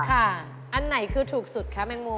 อันไหนคือถูกสุดคะแมงโม